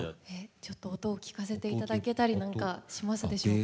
ちょっと音を聞かせていただけたりなんかしますでしょうか？